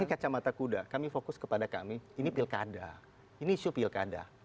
ini kacamata kuda kami fokus kepada kami ini pilkada ini isu pilkada